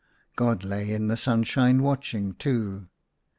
God lay in the sunshine watching too.